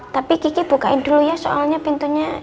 tapi kiki bukain dulu ya soalnya pintunya